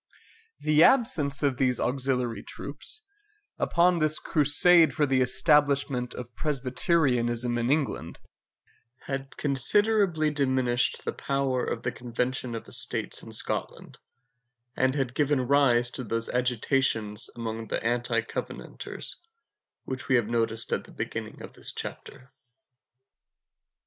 The absence of these auxiliary troops, upon this crusade for the establishment of Presbyterianism in England, had considerably diminished the power of the Convention of Estates in Scotland, and had given rise to those agitations among the anti covenanters, which we have noticed at the beginning of this chapter.